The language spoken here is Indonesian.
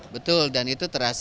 betul dan itu terhasil